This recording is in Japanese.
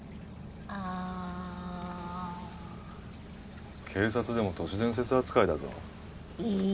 あ警察でも都市伝説扱いだぞい